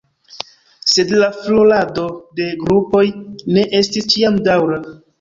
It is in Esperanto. Sed la florado de grupoj ne estis ĉiam daŭra.